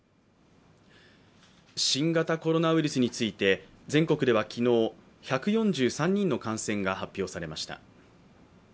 新型コロナウイルスについて全国では昨日１４３人の感染が発表されました。